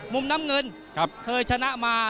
มุมน้ำเงินเคยชนะมา